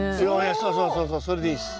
そうそうそうそうそれでいいです。